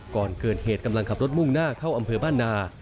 ก่อนเกิดเหตุกำลังขับรถมุ่งหน้าเข้าอำเภอบ้านนา